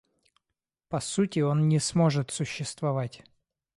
По сути, он не сможет существовать.